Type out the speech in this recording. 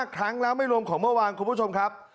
ครั้งแล้วไม่รวมของเมื่อวานคุณผู้ชมครับ